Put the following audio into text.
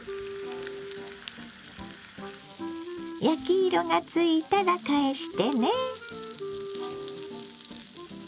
焼き色がついたら返してね。